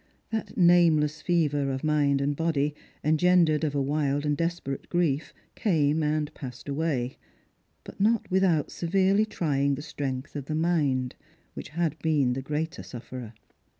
That nameless fever of mind and body, engendered of a wild and desperate grief, came and passed away ; but not without severely trying the strength of the mind, which had been the greater sufferer.